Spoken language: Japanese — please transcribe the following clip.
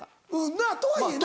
なぁとはいえな。